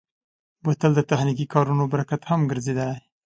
بوتل د تخنیکي کارونو برخه هم ګرځېدلی.